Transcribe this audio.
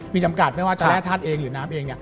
มีจำกัดไม่ว่าจะแร่ธาตุเองหรือน้ำเอง